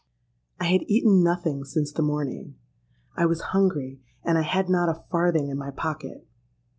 "I had eaten nothing since the morning: I was hungry, and I had not a farthing in my pocket.